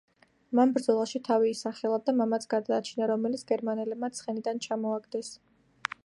მან ბრძოლაში თავი ისახელა და მამაც გადაარჩინა, რომელიც გერმანელებმა ცხენიდან ჩამოაგდეს.